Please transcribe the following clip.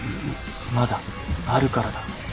まだあるからだ。